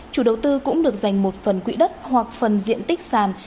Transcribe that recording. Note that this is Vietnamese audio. chủ đầu tư cũng được dành một phần quỹ đất hoặc phần diện tích sàn